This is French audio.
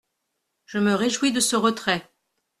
Je me réjouis de ce retrait.